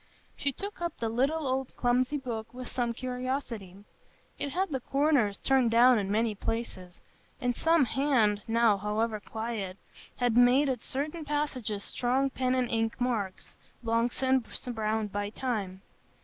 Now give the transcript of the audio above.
She took up the little, old, clumsy book with some curiosity; it had the corners turned down in many places, and some hand, now forever quiet, had made at certain passages strong pen and ink marks, long since browned by time.